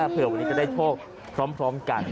เพื่อวันนี้จะได้โชคพร้อมกัน